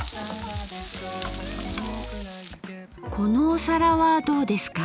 このお皿はどうですか？